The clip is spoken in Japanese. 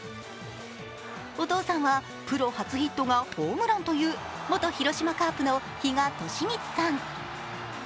お父さんは、プロ初ヒットがホームランという元広島カープの比嘉寿光さん。